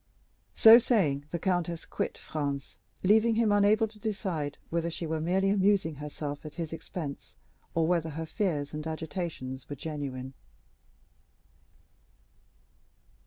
So saying, the countess quitted Franz, leaving him unable to decide whether she were merely amusing herself at his expense, or whether her fears and agitations were genuine.